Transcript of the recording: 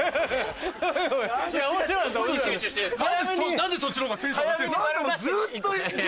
何でそっちのほうがテンション上がってるんですか？